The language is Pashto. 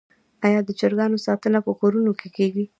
آیا د چرګانو ساتنه په کورونو کې کیږي؟